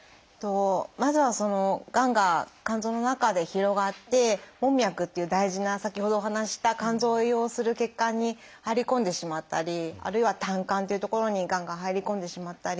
まずはがんが肝臓の中で広がって門脈っていう大事な先ほどお話しした肝臓を栄養する血管に入り込んでしまったりあるいは胆管という所にがんが入り込んでしまったり。